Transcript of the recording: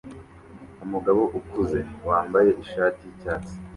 Umugabo ukuze wambaye ishati yicyatsi